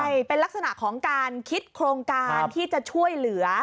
ใช่เป็นลักษณะของการคิดโครงการที่จะช่วยเหลือ